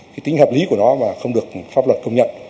cái tính hợp lý của nó và không được pháp luật công nhận